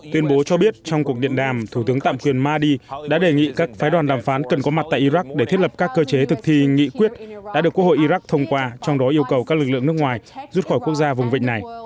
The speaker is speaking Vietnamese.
tuyên bố cho biết trong cuộc điện đàm thủ tướng tạm quyền mahdi đã đề nghị các phái đoàn đàm phán cần có mặt tại iraq để thiết lập các cơ chế thực thi nghị quyết đã được quốc hội iraq thông qua trong đó yêu cầu các lực lượng nước ngoài rút khỏi quốc gia vùng vịnh này